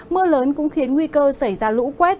mưa lớn cũng khiến nguy cơ xảy ra lũ quét